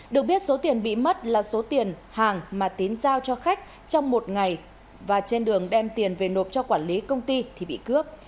được biết số tiền bị mất là số tiền hàng mà tín giao cho khách trong một ngày và trên đường đem tiền về nộp cho quản lý công ty thì bị cướp